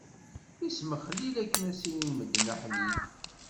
Ismexlil akken ad s-inin medden: aḥlil!